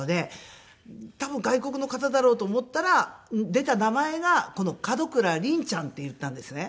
多分外国の方だろうと思ったら出た名前がこの「門倉凛ちゃん」って言ったんですね。